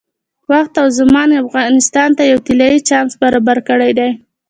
وخت او زمان افغانستان ته یو طلایي چانس برابر کړی دی.